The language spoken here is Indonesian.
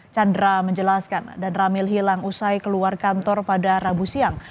chandra menjelaskan dan ramil hilang usai keluar kantor pada rabu siang